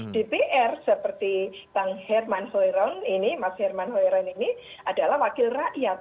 dpr seperti kang herman hoiron ini mas herman hoiran ini adalah wakil rakyat